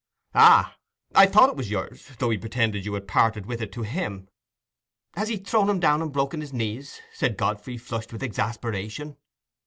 "Ah, I thought it was yours, though he pretended you had parted with it to him." "Has he thrown him down and broken his knees?" said Godfrey, flushed with exasperation.